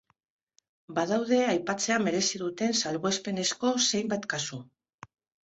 Badaude aipatzea merezi duten salbuespenezko zenbait kasu.